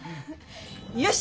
よし！